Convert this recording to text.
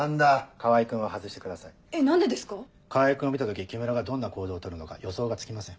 川合君を見た時木村がどんな行動を取るのか予想がつきません。